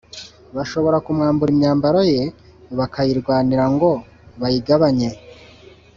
bashobora kumwambura imyambaro ye, bakayirwanira ngo bayigabanye